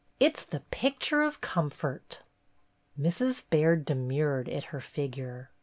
It 's the picture of comfort." Mrs. Baird demurred at her figure.